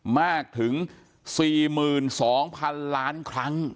มากถึง๔๒๐๐๐ล้านครั้ง